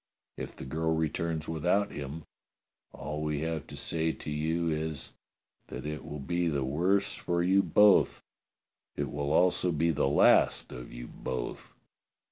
If the girl returns without him, all we have to say to you is that it will be the worse for you both; it will also be the last of you both.